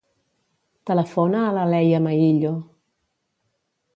Telefona a la Leia Maillo.